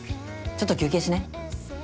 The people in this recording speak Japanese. ちょっと休憩しない？